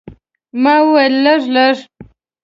ما وویل، لږ، لږ.